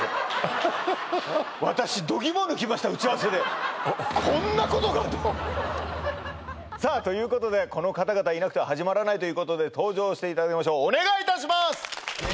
打ち合わせでさあということでこの方々がいなくては始まらないということで登場していただきましょうお願いいたします！